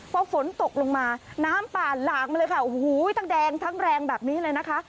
พอฝนตกลงมาน้ำป่าหลากมาเลยค่ะโอ้โหทั้งแดงทั้งแรงแบบนี้เลยนะคะ